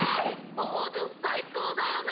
オードゥン最高だよね！